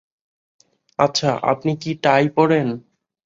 আচ্ছা, আপনি কী টাই পড়েন?